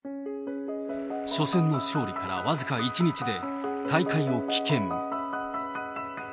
初戦の勝利から僅か１日で大会を棄権。